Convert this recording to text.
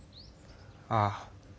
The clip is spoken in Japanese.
ああ。